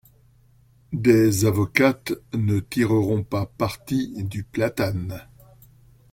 Des avocates ne tireront pas parti du platane.